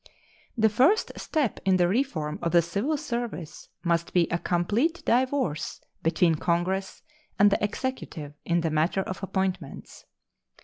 The first step in the reform of the civil service must be a complete divorce between Congress and the Executive in the matter of appointments.